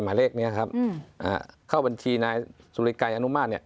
หมายเลขนี้ครับเข้าบัญชีนายสุริไกรอนุมาตรเนี่ย